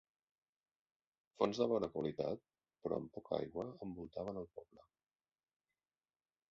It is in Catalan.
Fonts de bona qualitat, però amb poca aigua envoltaven el poble.